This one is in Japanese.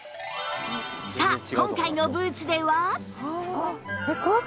さあ今回のブーツでは？